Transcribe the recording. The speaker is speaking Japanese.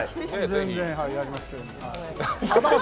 全然やりますけど。